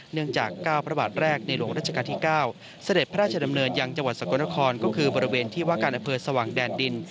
จาก๙พระบาทแรกในหลวงราชการที่๙เสด็จพระราชดำเนินยังจังหวัดสกลนครก็คือบริเวณที่ว่าการอำเภอสว่างแดนดิน